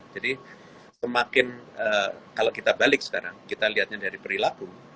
jadi semakin kalau kita balik sekarang kita lihatnya dari perilaku